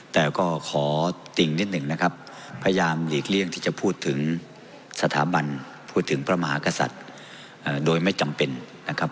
แต่ก็ขอติ่งนิดหนึ่งนะครับพยายามหลีกเลี่ยงที่จะพูดถึงสถาบันพูดถึงพระมหากษัตริย์โดยไม่จำเป็นนะครับ